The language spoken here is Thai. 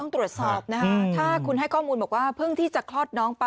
ตรวจสอบนะคะถ้าคุณให้ข้อมูลบอกว่าเพิ่งที่จะคลอดน้องไป